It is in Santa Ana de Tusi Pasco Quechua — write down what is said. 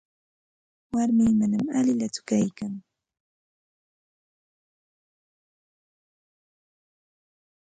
Warmii manam allillakutsu kaykan.